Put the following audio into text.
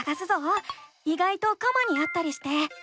いがいとカマにあったりして。